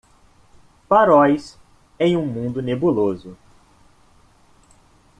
Faróis em um mundo nebuloso.